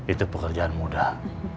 itu pekerjaan mudah